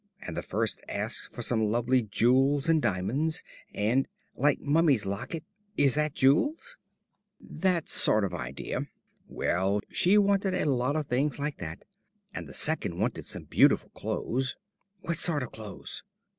And the first asked for some lovely jewels and diamonds and " "Like Mummy's locket is that jewels?" "That sort of idea. Well, she wanted a lot of things like that. And the second wanted some beautiful clothes." "What sort of clothes?"